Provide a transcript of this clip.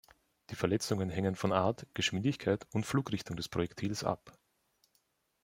Die Verletzungen hängen von Art, Geschwindigkeit und Flugrichtung des Projektils ab.